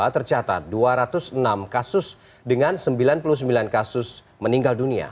tercatat dua ratus enam kasus dengan sembilan puluh sembilan kasus meninggal dunia